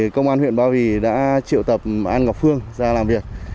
công an huyện ba vì đã triệu tập an ngọc phương ra làm việc